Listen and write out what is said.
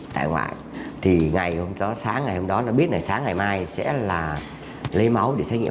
tại ngoại thì ngày hôm đó sáng ngày hôm đó biết là sáng ngày mai sẽ là lấy máu để xét nghiệm